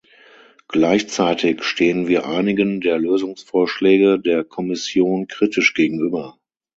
Gleichzeitig stehen wir einigen der Lösungsvorschläge der Kommission kritisch gegenüber.